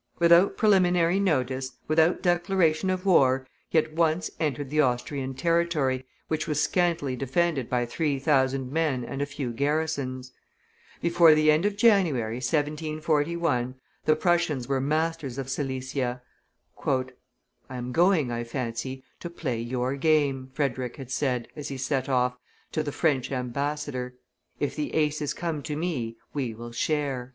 Without preliminary notice, without declaration of war, he at once entered the Austrian territory, which was scantily defended by three thousand men and a few garrisons. Before the end of January, 1741, the Prussians were masters of Silesia. "I am going, I fancy, to play your game," Frederick had said, as he set off, to the French ambassador: "if the aces come to me we will share."